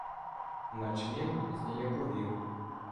Начміл зніяковів.